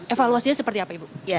evaluasinya seperti apa ibu